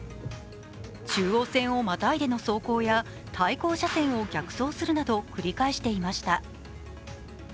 中央線をまたいでの走行や、対向車線を逆走するなど繰り返していました。